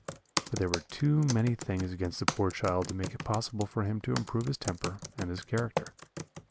But there were too many things against the poor child to make it possible for him to improve his temper and his character.